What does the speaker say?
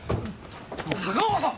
高岡さん！？